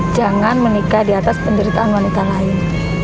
jangan menikah di atas penderitaan wanita lain